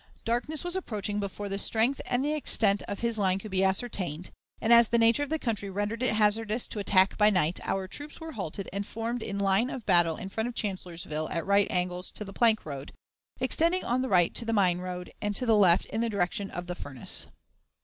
Darkness was approaching before the strength and extent of his line could be ascertained; and, as the nature of the country rendered it hazardous to attack by night, our troops were halted and formed in line of battle in front of Chancellorsville at right angles to the plank road, extending on the right to the Mine road, and to the left in the direction of the "Furnace."